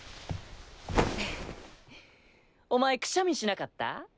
お前くしゃみしなかった？